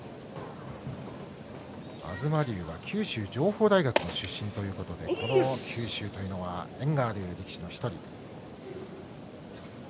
東龍は九州情報大学出身ということで、九州というのは縁のある力士の１人です。